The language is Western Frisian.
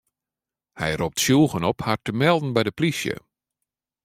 Hy ropt tsjûgen op har te melden by de plysje.